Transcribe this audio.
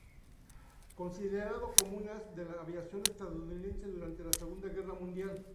Considerado como un as de la aviación estadounidense durante la Segunda Guerra Mundial.